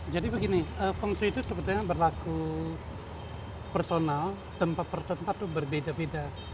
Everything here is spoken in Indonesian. jadi begini feng shui itu sebetulnya berlaku personal tempat tempat itu berbeda beda